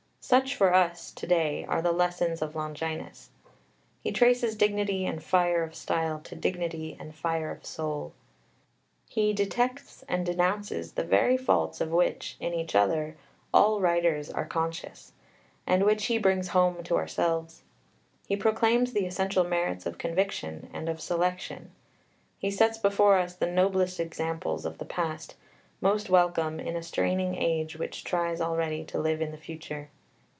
Such for us to day are the lessons of Longinus. He traces dignity and fire of style to dignity and fire of soul. He detects and denounces the very faults of which, in each other, all writers are conscious, and which he brings home to ourselves. He proclaims the essential merits of conviction, and of selection. He sets before us the noblest examples of the past, most welcome in a straining age which tries already to live in the future.